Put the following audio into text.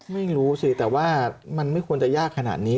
ไม่รู้สิแต่ว่ามันไม่ควรจะยากขนาดนี้